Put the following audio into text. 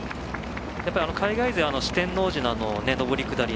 海外勢は四天王寺の上り下り